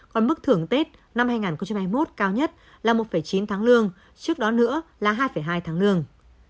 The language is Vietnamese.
còn mức thưởng tết năm hai nghìn hai mươi một cao nhất là một chín tháng lương trước đó nữa là hai hai tháng lương